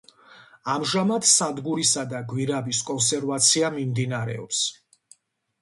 ამჟამად სადგურისა და გვირაბის კონსერვაცია მიმდინარეობს.